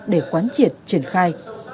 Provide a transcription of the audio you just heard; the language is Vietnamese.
để quán triển triển khai